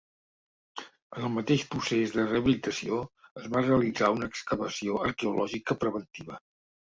En el mateix procés de rehabilitació es va realitzar una excavació arqueològica preventiva.